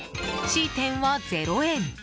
Ｃ店は０円